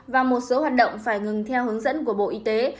và một số hoạt động phải ngừng theo hướng dẫn của bộ y tế